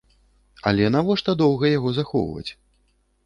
Але навошта доўга яго захоўваць?